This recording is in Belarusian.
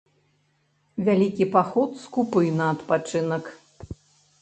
Вялікі паход скупы на адпачынак.